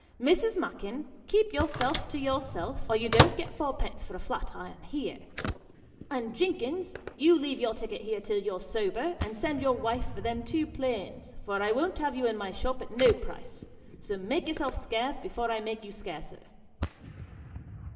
" Mrs. Mackin, keep yourself to yourself, or you don't get fourpence for a flat iron here ; and Jinkins, you leave your ticket here till you're sober, and send your wife for them two planes, for I won't have you in my shop at no price ; so make yourself scarce, before I make you scarcer."